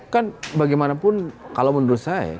kan bagaimanapun kalau menurut saya kita kan